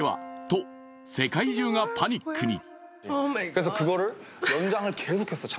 と世界中がパニックに。